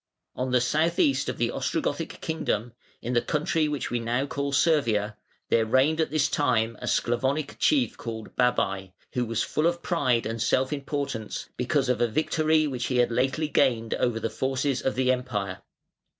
On the south east of the Ostrogothic kingdom, in the country which we now call Servia, there reigned at this time a Sclavonic chief called Babai, who was full of pride and self importance because of a victory which he had lately gained over the forces of the Empire.